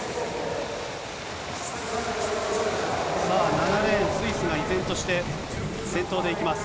７レーン、スイスが依然として先頭でいきます。